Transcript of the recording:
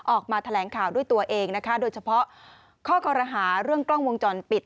ออกมาแถลงข่าวด้วยตัวเองนะคะโดยเฉพาะข้อกรหาเรื่องกล้องวงจรปิด